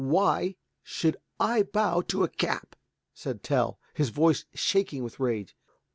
"Why should I bow to a cap?" said Tell, his voice shaking with rage.